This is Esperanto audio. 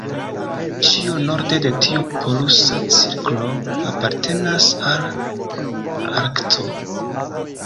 Ĉio norde de tiu polusa cirklo apartenas al Arkto.